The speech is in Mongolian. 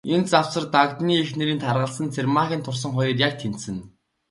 Энэ завсар, Дагданы эхнэрийн таргалсан, Цэрмаагийн турсан хоёр яг тэнцэнэ.